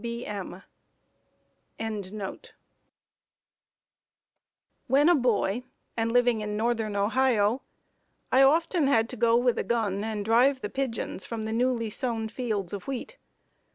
W. B. M.] When a boy and living in northern Ohio, I often had to go with a gun and drive the pigeons from the newly sown fields of wheat.